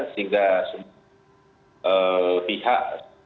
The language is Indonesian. sehingga semua pihak